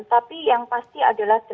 tapi yang pasti adalah delapan dua puluh lima